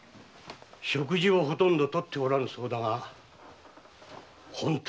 食事をほとんど摂っておらぬそうだが本当に病気になるぞ。